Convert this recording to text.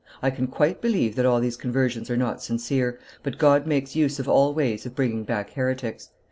I can quite believe that all these conversions are not sincere, but God makes use of all ways of bringing back heretics.